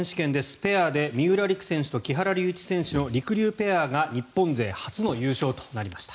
ペアで三浦璃来選手と木原龍一選手のりくりゅうペアが日本勢初の優勝となりました。